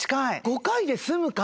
５回で済むか？